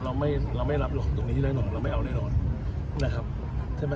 เราไม่เราไม่รับหรอกตรงนี้ได้หรอกเราไม่เอาได้หรอกนะครับ